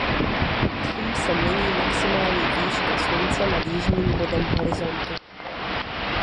Tím se mění maximální výška Slunce nad jižním bodem horizontu.